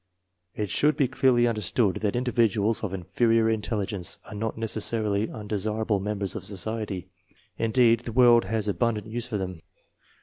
It should be clearly understood that individuals of inferior intelligence are not necessarily undesirable members of society. Indeed, the world has abundant use for them.